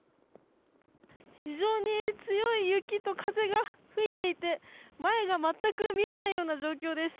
非常に強い雪と風が吹いていて前が全く見えないような状況です。